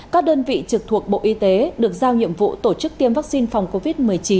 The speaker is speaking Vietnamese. các đơn vị trực thuộc bộ y tế được giao nhiệm vụ tổ chức tiêm vaccine phòng covid một mươi chín